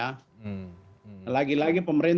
lagi lagi pemerintah tidak memaksakan